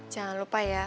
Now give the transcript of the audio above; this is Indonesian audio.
jangan lupa ya